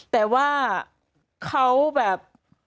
แต่ว่าเขาแบบ